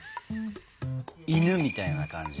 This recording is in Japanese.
犬みたいな感じの。